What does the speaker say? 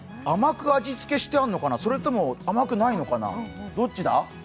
甘く味付けしてあんのかな、それとも甘くないのかなどっちだ？